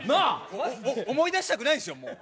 思い出したくないですもん、もう。